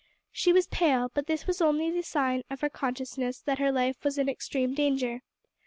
She was pale, but this was the only sign of her consciousness that her life was in extreme danger.